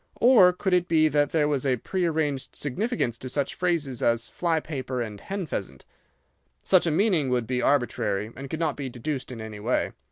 Or could it be that there was a prearranged significance to such phrases as 'fly paper' and 'hen pheasant'? Such a meaning would be arbitrary and could not be deduced in any way.